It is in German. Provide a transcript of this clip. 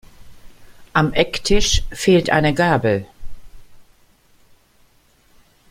Am Ecktisch fehlt eine Gabel.